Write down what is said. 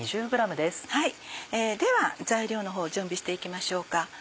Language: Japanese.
では材料のほうを準備して行きましょうか。